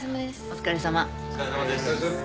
お疲れさまです。